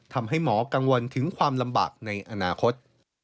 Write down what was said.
ทำให้หมอกังวลถึงความลำบากในอนาคต